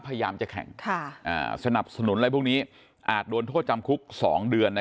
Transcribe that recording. พยายามจะแข่งสนับสนุนอะไรพวกนี้อาจโดนโทษจำคุก๒เดือน